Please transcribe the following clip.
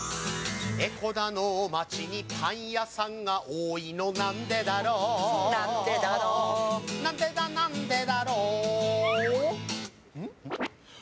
江古田の街にパン屋さんが多いのなんでだろう、なんでだろうなんでだ、なんでだろう。